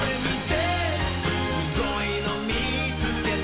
「すごいのみつけた」